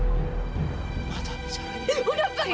ma tuhan caranya